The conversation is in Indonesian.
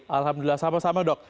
alhamdulillah sama sama dok